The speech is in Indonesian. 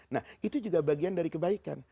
nah itu juga bagian dari kebaikan